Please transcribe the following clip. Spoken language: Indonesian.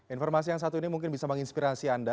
informasi yang satu ini mungkin bisa menginspirasi anda